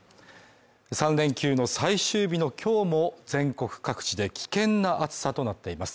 ３連休の最終日の今日も全国各地で危険な暑さとなっています